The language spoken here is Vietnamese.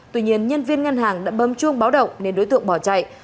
tuy nhiên nhân viên ngân hàng đã bấm chuông báo động nên đối tượng bỏ chạy